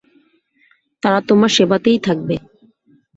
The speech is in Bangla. তারা তোমার সেবাতেই থাকবে।